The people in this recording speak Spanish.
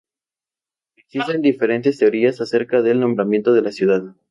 Existen diferentes teorías acerca del nombramiento de la ciudad.